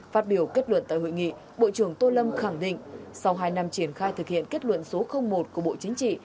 phát biểu kết luận tại hội nghị bộ trưởng tô lâm khẳng định sau hai năm triển khai thực hiện kết luận số một của bộ chính trị